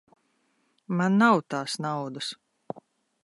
Man nav tās naudas.